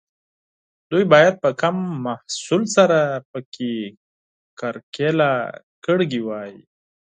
دوی باید په کم محصول سره پکې کرکیله کړې وای.